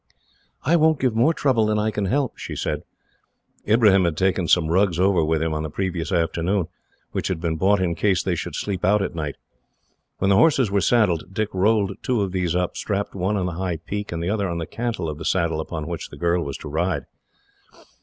"I won't give more trouble than I can help," she said. Ibrahim had taken some rugs over with him, on the previous afternoon, which had been bought in case they should sleep out at night. When the horses were saddled, Dick rolled two of these up, strapped one on the high peak, and the other on the cantle of the saddle upon which the girl was to ride.